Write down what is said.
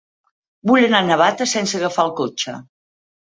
Vull anar a Navata sense agafar el cotxe.